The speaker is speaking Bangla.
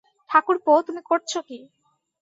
ঠাকুরপো, তুমি করছ কী?